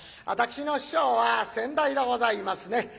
私の師匠は先代でございますね。